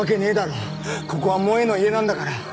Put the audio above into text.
ここは萌絵の家なんだから。